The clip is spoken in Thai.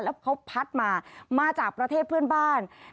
แล้วเขาพัดมามาจากประเทศเพื่อนบ้าน